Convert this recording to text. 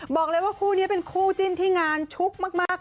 บอกเลยว่าคู่นี้เป็นคู่จิ้นที่งานชุกมาก